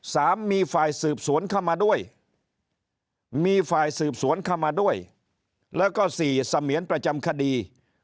สามมีฝ่ายสืบสวนเข้ามาด้วยมีฝ่ายสืบสวนเข้ามาด้วยแล้วก็สี่เสมียนประจำคดี